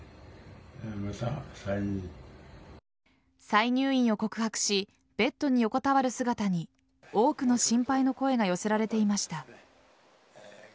再入院を告白しベッドに横たわる姿に多くの心配の声が寄せられていました。